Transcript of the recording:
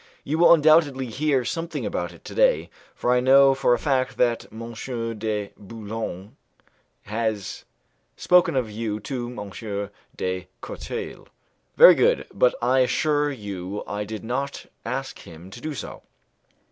"You will undoubtedly hear something about it today, for I know for a fact that M. de Boulogne has spoken of you to M. de Courteuil." "Very good, but I assure you I did not ask him to do so."